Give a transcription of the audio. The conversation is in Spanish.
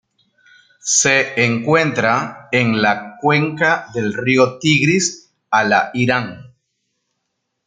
Se encuentra en la cuenca del río Tigris a la Irán.